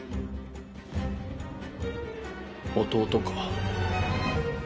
弟か。